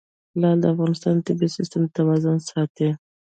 لعل د افغانستان د طبعي سیسټم توازن ساتي.